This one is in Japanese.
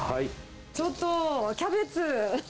ちょっと、キャベツ。